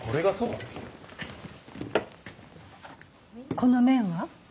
この麺は？